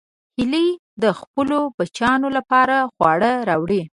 هیلۍ د خپلو بچیانو لپاره خواړه راوړي